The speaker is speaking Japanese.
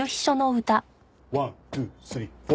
ワンツースリーフォー。